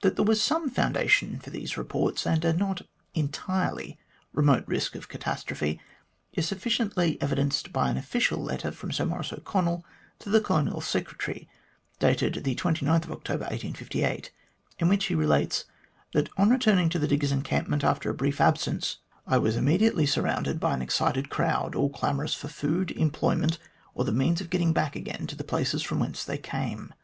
That there was some foundation for these reports, and a not entirely remote risk of catastrophe, is sufficiently evidenced by an official letter from Sir Maurice O'Connell to the Colonial Secretary, dated October 29, 1858, in which he relates that on returning to the diggers' encampment after a brief absence " I was immediately surrounded by an excited crowd, all clamorous for food, employment, or the means of getting back again to the places from whence they came.